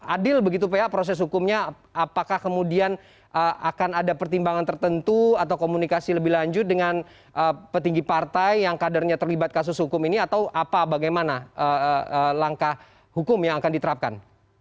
adil begitu pak proses hukumnya apakah kemudian akan ada pertimbangan tertentu atau komunikasi lebih lanjut dengan petinggi partai yang kadernya terlibat kasus hukum ini atau apa bagaimana langkah hukum yang akan diterapkan